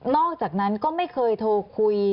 อกจากนั้นก็ไม่เคยโทรคุย